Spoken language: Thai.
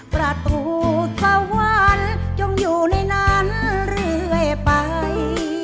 ประตูสวรรค์จงอยู่ในนั้นเรื่อยไป